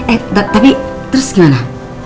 eh tapi terus gimana